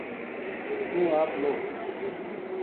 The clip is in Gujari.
توہ آپ لہو‘‘